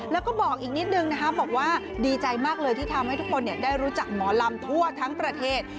แล้วก็บอกอีกนิดนึงนะคะบอกว่าดีใจมากเลยที่ทำให้ทุกคนได้รู้จักหมอลำทั่วทั้งประเทศ